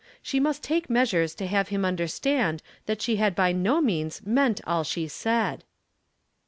She must take measures to have him understand that she had by no means meant all she said.